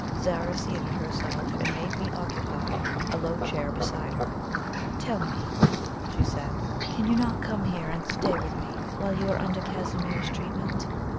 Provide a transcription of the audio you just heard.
Zara seated herself, and made me occupy a low chair beside her. "Tell me," she said, "can you not come here and stay with me while you are under Casimir's treatment?"